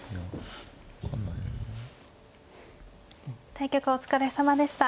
対局お疲れさまでした。